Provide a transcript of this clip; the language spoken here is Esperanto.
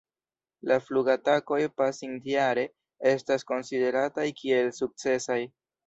La flugatakoj pasintjare estas konsiderataj kiel sukcesaj.